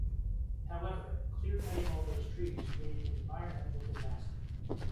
However, clear-cutting all those trees created an environmental disaster.